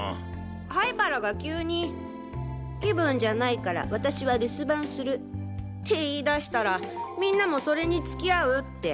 灰原が急に「気分じゃないから私は留守番する」って言い出したらみんなもそれに付き合うって。